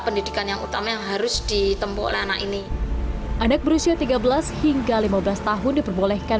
pendidikan yang utama yang harus ditempuh oleh anak ini anak berusia tiga belas hingga lima belas tahun diperbolehkan